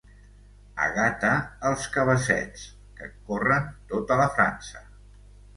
A Gata, els cabassets, que corren tota la França.